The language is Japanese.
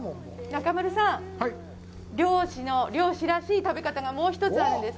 中丸さん、漁師らしい食べ方がもう一つ、あるんです。